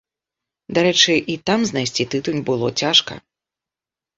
Дарэчы, і там знайсці тытунь было цяжка.